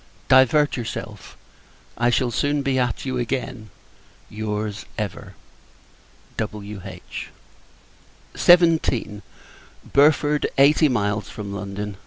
Divert yourself I shall soon be at you again. Your's, ever, W.H. XVII. Burford, Eighty Miles from London.